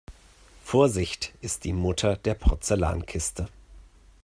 Vorsicht ist die Mutter der Porzellankiste.